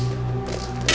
terima kasih ya